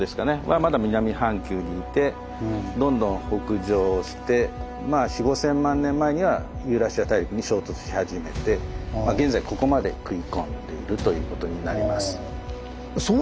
まだ南半球にいてどんどん北上してまあ４，０００万５，０００万年前にはユーラシア大陸に衝突し始めて現在ここまで食い込んでいるということになります。